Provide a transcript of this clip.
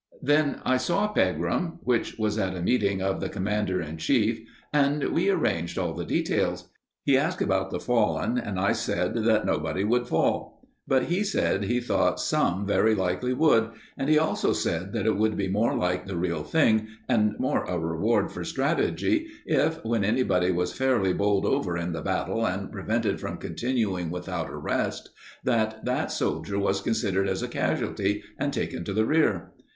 Then I saw Pegram which was at a meeting of the commanders in chief and we arranged all the details. He asked about the fallen, and I said that nobody would fall; but he said he thought some very likely would; and he also said that it would be more like the real thing and more a reward for strategy if, when anybody was fairly bowled over in the battle and prevented from continuing without a rest, that that soldier was considered as a casualty and taken to the rear.